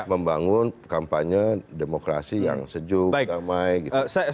membangun kampanye demokrasi yang sejuk damai gitu